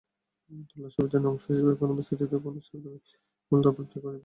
তল্লাশি অভিযানের অংশ হিসেবে পানামা সিটিতে ফনসেকার মূল দপ্তরটিকে ঘিরে ফেলে পুলিশ।